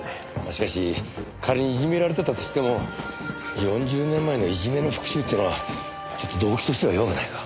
しかし仮にいじめられてたとしても４０年前のいじめの復讐ってのはちょっと動機としては弱くないか？